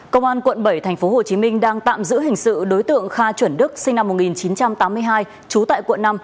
công an quận bảy tp hcm đang tạm giữ hình sự đối tượng kha chuẩn đức sinh năm một nghìn chín trăm tám mươi hai trú tại quận năm